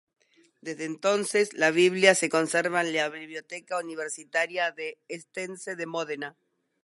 Desde entonces la Biblia se conserva en la Biblioteca Universitaria de Estense de Módena.